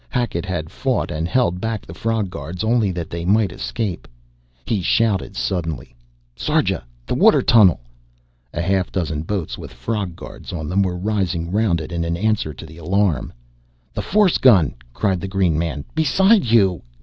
Hackett had fought and held back the frog guards only that they might escape. He shouted suddenly. "Sarja the water tunnel!" A half dozen boats with frog guards on them were rising round it in answer to the alarm! "The force gun!" cried the green man. "Beside you